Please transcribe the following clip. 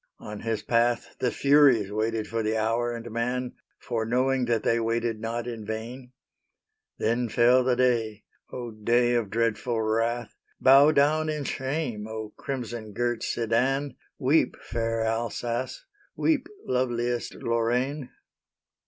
On his path The Furies waited for the hour and man, Foreknowing that they waited not in vain. Then fell the day, O day of dreadful wrath! Bow down in shame, O crimson girt Sedan! Weep, fair Alsace! weep, loveliest Lorraine!